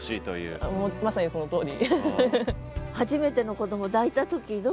まさにそのとおり。